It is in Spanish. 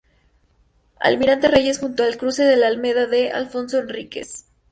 Almirante Reyes", junto al cruce con la "Alameda D. Afonso Henriques".